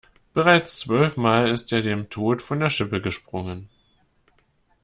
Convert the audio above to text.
Bereits zwölf Mal ist er dem Tod von der Schippe gesprungen.